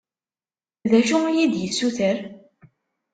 D acu i yi-d-yessuter?